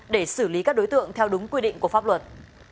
để xử lý các đối tượng theo đúng quy định của pháp luật